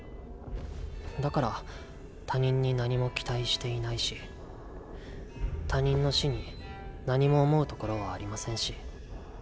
だから他人に何も期待していないし他人の死に何も思うところはありませんし。